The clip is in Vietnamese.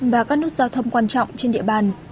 và các nút giao thông quan trọng trên địa bàn